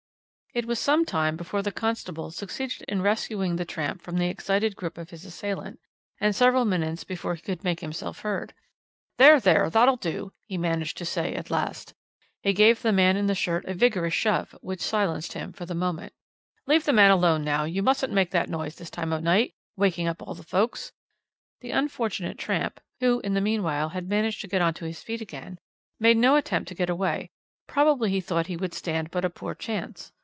"It was some time before the constable succeeded in rescuing the tramp from the excited grip of his assailant, and several minutes before he could make himself heard. "'There! there! that'll do!' he managed to say at last, as he gave the man in the shirt a vigorous shove, which silenced him for the moment. 'Leave the man alone now, you mustn't make that noise this time o' night, wakin' up all the folks.' The unfortunate tramp, who in the meanwhile had managed to get onto his feet again, made no attempt to get away; probably he thought he would stand but a poor chance.